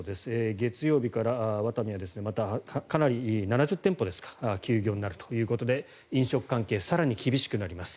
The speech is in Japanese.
月曜日からワタミは７０店舗ですか休業になるということで飲食関係、更に厳しくなります。